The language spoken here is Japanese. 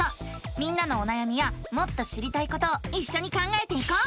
みんなのおなやみやもっと知りたいことをいっしょに考えていこう！